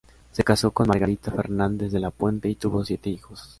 Se casó con Margarita Fernández de la Puente y tuvo siete hijos.